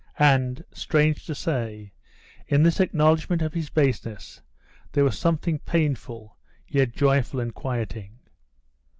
And, strange to say, in this acknowledgement of his baseness there was something painful yet joyful and quieting.